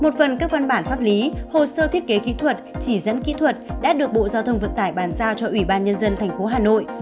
một phần các văn bản pháp lý hồ sơ thiết kế kỹ thuật chỉ dẫn kỹ thuật đã được bộ giao thông vận tải bàn giao cho ủy ban nhân dân tp hà nội